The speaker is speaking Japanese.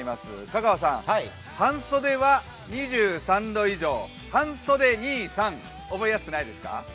香川さん、半袖は２３度以上、半袖にいさん、覚えやすくないですか？